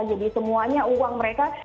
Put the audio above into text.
jadi semuanya uang mereka